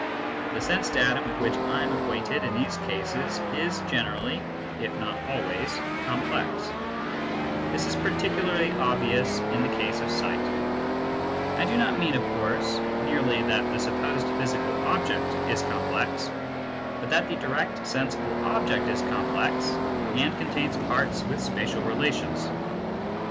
The sense datum with which I am acquainted in these cases is generally, if not always, complex. This is particularly KNOWLEDGE BY ACQUAINTANCE 211 obvious in the case of sight. I do not mean, of course, merely that the supposed physical object is complex) but that the direct sensible obiecljs_jcornplex_and contains parts with spatial relations.